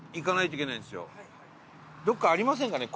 どこかありませんかね？